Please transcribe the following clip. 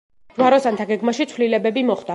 ჯვაროსანთა გეგმაში ცვლილებები მოხდა.